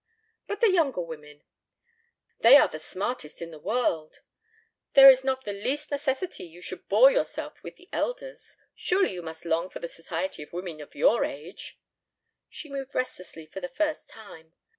"But the younger women. They are the smartest in the world. There is not the least necessity you should bore yourself with the elders. Surely you must long for the society of women of your age." She moved restlessly for the first time.